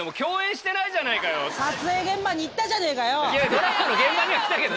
ドラマの現場には来たけど。